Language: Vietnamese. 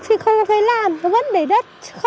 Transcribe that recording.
thì không có thuê làm vẫn để đất